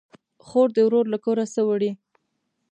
خور ده ورور له کوره سه وړي